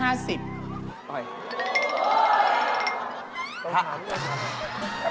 ถามด้วยครับ